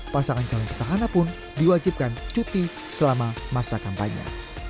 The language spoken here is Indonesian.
pasangan calon petahana pun diwajibkan cuti selama masa kampanye